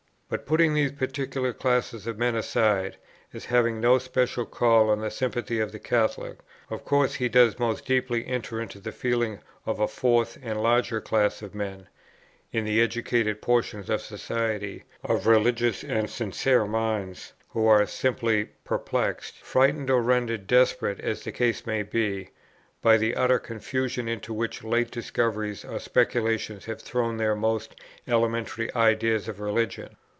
But putting these particular classes of men aside, as having no special call on the sympathy of the Catholic, of course he does most deeply enter into the feelings of a fourth and large class of men, in the educated portions of society, of religious and sincere minds, who are simply perplexed, frightened or rendered desperate, as the case may be, by the utter confusion into which late discoveries or speculations have thrown their most elementary ideas of religion.